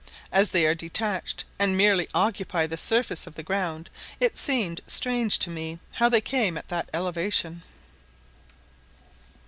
As they are detached, and merely occupy the surface of the ground, it seemed strange to me how they came at that elevation.